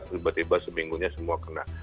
tiba tiba seminggunya semua kena